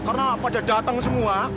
karena pada datang semua